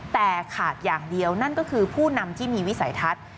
แต่ขาดอย่างเดียวนั่นก็คือผู้นำที่มีวิสัยทัศน์